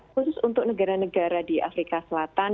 khusus untuk negara negara di afrika selatan